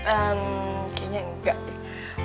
ehm kayaknya enggak deh